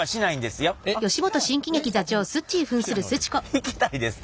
引きたいですか？